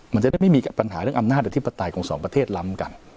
มันจะได้ไม่มีปัญหาเรื่องอำนาจอธิปไตยของสองประเทศล้ำกัน